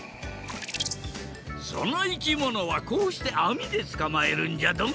そのいきものはこうしてあみでつかまえるんじゃドン。